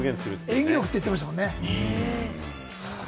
演技力って言ってましたもんね。